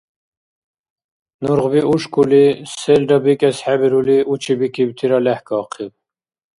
Нургъби ушкули, селра бикӀес хӀебирули учибикибтира лехӀкахъиб.